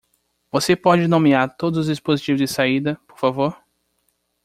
Você pode nomear todos os dispositivos de saída, por favor?